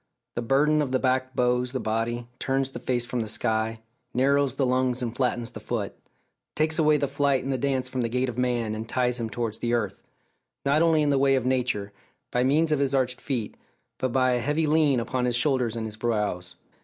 The burden of the back bows the body, turns the face from the sky, narrows the lungs and flattens the foot; takes away the flight and the dance from the gait of man, and ties him towards the earth not only in the way of nature, by means of his arched feet, but by a heavy lien upon his shoulders and his brows.